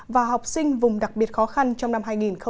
và học sinh vùng đặc biệt khó khăn trong năm hai nghìn một mươi tám